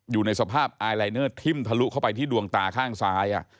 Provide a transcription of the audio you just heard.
อยู่ในสภาพไอลายเนอร์ทิ่มทะลุเข้าไปที่ดวงตาข้างซ้าย